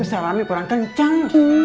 salami kurang kencang